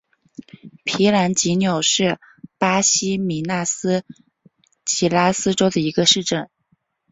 皮兰吉纽是巴西米纳斯吉拉斯州的一个市镇。